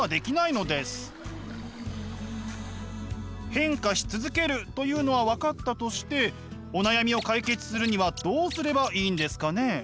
変化し続けるというのは分かったとしてお悩みを解決するにはどうすればいいんですかね？